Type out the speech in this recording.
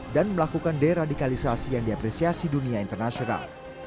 dan melakukan deradikalisasi yang diapresiasi dunia internasional